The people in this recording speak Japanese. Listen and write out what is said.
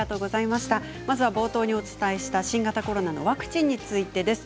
まずは冒頭にお伝えした新型コロナのワクチンについてです。